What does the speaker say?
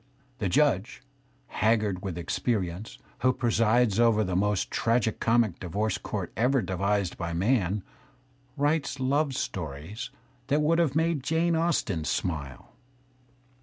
The judge, haggard with experience, who presides over the most tragi comic divorce court ever devised by man, writes love stories that would have made Jane Austen smile.